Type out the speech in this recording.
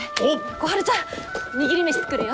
小春ちゃん握り飯作るよ！